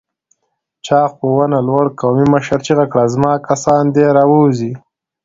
چاغ په ونه لوړ قومي مشر چيغه کړه! زما کسان دې راووځي!